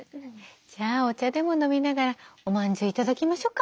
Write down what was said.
じゃあお茶でも飲みながらおまんじゅう頂きましょうか。